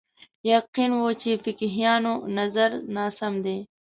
یقین و چې فقیهانو نظر ناسم دی